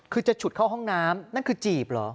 คือจะฉุดเข้าห้องน้ำนั่นคือจีบเหรอ